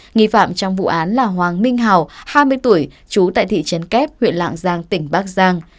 nghi phạm trong vụ án là hoàng minh hào hai mươi tuổi chú tại thị trấn kép huyện lạng giang tỉnh bắc giang